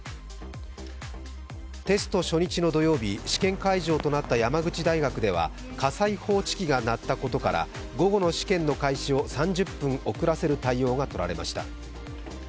テスト初日の土曜日試験会場となった山口大学では火災報知器が鳴ったことから午後の試験の開始を３０分遅らせる対応がとられました。